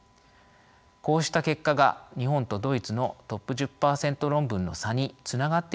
こうした結果が日本とドイツのトップ１０％論文の差につながっているのではないでしょうか。